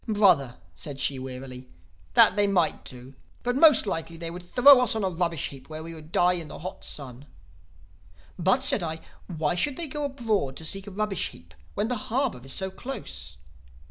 "'Brother,' said she wearily, 'that they might do. But most likely they would throw us on a rubbish heap, where we would die in the hot sun.' "'But,' said I, 'why should they go abroad to seek a rubbish heap, when the harbor is so close?